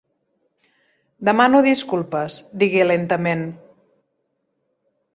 Demano disculpes, digué lentament.